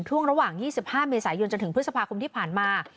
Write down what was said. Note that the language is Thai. ช่วงระหว่าง๒๕เมษายนจนถึงพฤษภาคมที่ผ่านมา